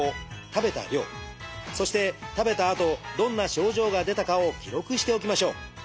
食べた量そして食べたあとどんな症状が出たかを記録しておきましょう。